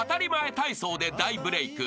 体操で大ブレーク］